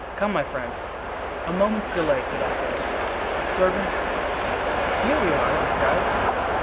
Come, my friends." "A moment's delay," said Athos; "our servants?" "Here we are!" they cried.